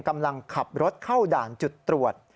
กำลังขับรถเข้าด่านจุดตรวจ